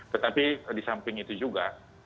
tetapi disamping itu juga